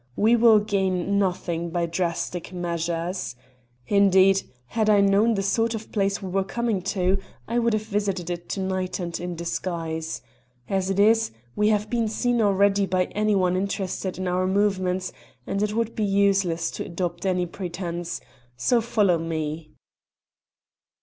We will gain nothing by drastic measures. Indeed, had I known the sort of place we were coming to I would have visited it to night and in disguise. As it is, we have been seen already by any one interested in our movements, and it would be useless to adopt any pretence, so follow me."